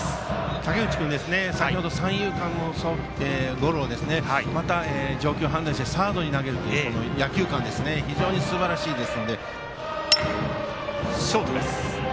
竹内君、先ほど三遊間のゴロを状況判断してサードに投げるという野球勘、非常にすばらしいです。